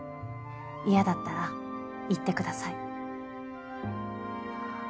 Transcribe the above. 嫌だったら言ってください。